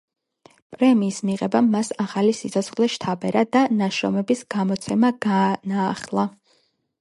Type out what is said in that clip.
პრემიის მიღებამ მას ახალი სიცოცხლე შთაბერა და ნაშრომების გამოცემა განაახლა.